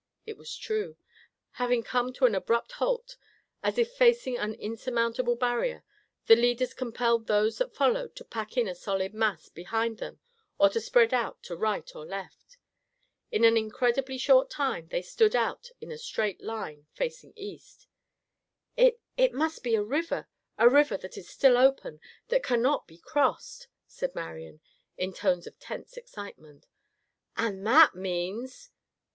It was true. Having come to an abrupt halt, as if facing an insurmountable barrier, the leaders compelled those that followed to pack in a solid mass behind them or to spread out to right or left. In an incredibly short time they stood out in a straight line, facing east. "It—it must be a river, a river that is still open, that cannot be crossed," said Marian in tones of tense excitement. "And that means!"